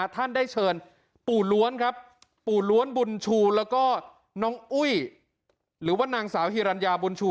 ท่านได้เชิญปู่ล้วนครับปู่ล้วนบุญชูแล้วก็น้องอุ้ยหรือว่านางสาวฮิรัญญาบุญชู